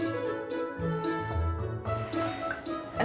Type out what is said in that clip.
mas aku mau pamer